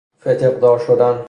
فتق دار شدن